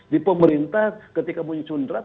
di pemerintah ketika muncul draft